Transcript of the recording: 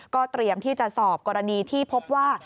เตรียมที่จะสอบกรณีที่พบว่า